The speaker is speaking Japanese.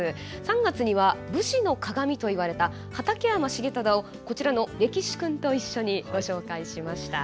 ３月には武士のかがみといわれた畠山重忠をこちらのれきしクンと一緒にご紹介しました。